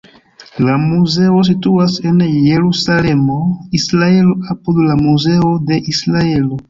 La muzeo situas en Jerusalemo, Israelo, apud la Muzeo de Israelo.